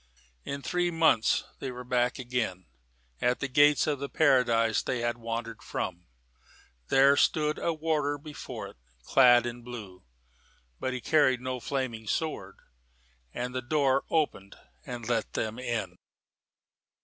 In three months they were back again at the gates of the paradise they had wandered from. There stood a warder before it, clad in blue: but he carried no flaming sword, and the door opened and let them in.